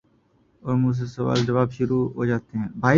اور مجھ سے سوال جواب شروع ہو جاتے ہیں ۔